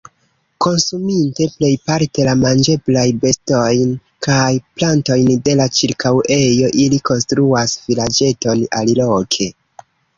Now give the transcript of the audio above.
Konsuminte plejparte la manĝeblajn bestojn kaj plantojn de la ĉirkaŭejo, ili konstruas vilaĝeton aliloke.